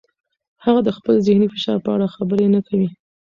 هغه د خپل ذهني فشار په اړه خبرې نه کوي.